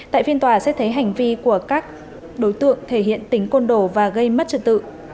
tại phiên tòa xét thấy hành vi của các đối tượng thể hiện tính côn đồ và gây mất trật tự